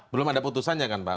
belum ada putusannya kan pak